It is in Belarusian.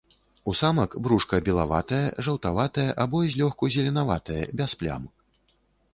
У самак брушка белаватае, жаўтаватае або злёгку зеленаватае, без плям.